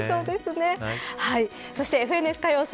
そしてＦＮＳ歌謡祭